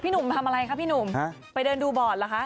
พี่หนุ่มทำอะไรคะไปเดินดูบอร์ดเหรอคะ